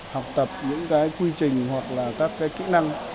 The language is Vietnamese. học tập những quy trình hoặc các kỹ năng